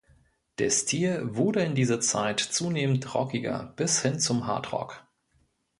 Der Stil wurde in dieser Zeit zunehmend rockiger bis hin zum Hardrock.